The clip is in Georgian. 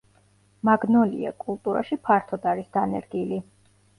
მაგნოლია კულტურაში ფართოდ არის დანერგილი.